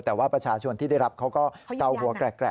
แต่ว่าประชาชนที่ได้รับเขาก็เกาหัวแกรก